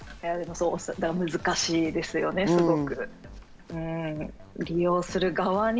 難しいですよね、すごく。